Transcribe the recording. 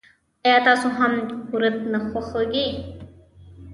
آیا تاسو هم کورت نه خوښیږي.